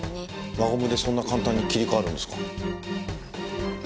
輪ゴムでそんな簡単に切り替わるんですか？